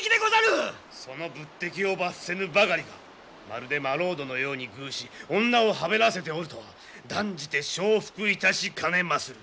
その仏敵を罰せぬばかりかまるで客人のように遇し女をはべらせておるとは断じて承服いたしかねまする！